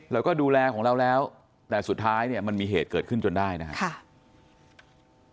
แล้วก็ดูแลของเราแล้วแต่สุดท้ายเนี่ยมันมีเหตุเกิดขึ้นจนได้นะครับ